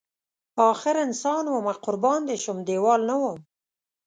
اخر انسان ومه قربان دی شم دیوال نه وم